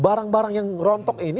barang barang yang rontok ini